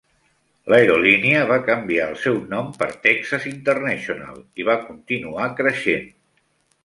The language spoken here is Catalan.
L'aerolínia va canviar el seu nom per Texas International i va continuar creixent.